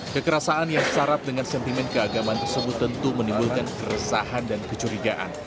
kekerasan yang syarat dengan sentimen keagamaan tersebut tentu menimbulkan keresahan dan kecurigaan